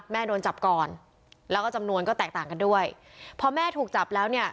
โดนจับก่อนแล้วก็จำนวนก็แตกต่างกันด้วยพอแม่ถูกจับแล้วเนี่ย